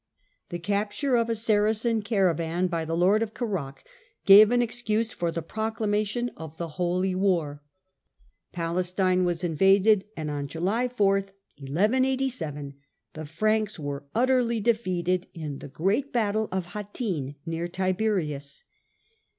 The capture of a Saracen caravan by the lord of Kerak gave an excuse for the proclamation of tlie Holy War. Palestine was invaded, and on July 4th, 1187, the Franks were utterly defeated in the great battle Battle of of Hattin, near Tiberias.